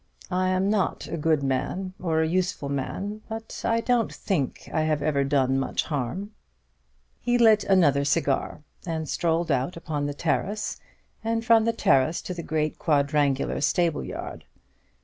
"I am not a good man or a useful man; but I don't think I have ever done much harm." He lit another cigar, and strolled out upon the terrace, and from the terrace to the great quadrangular stable yard.